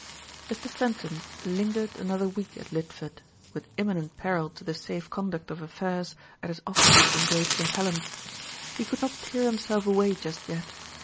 Mr. Fenton lingered another week at Lidford, with imminent peril to the safe conduct of affairs at his offices in Great St. Helens. He could not tear himself away just yet.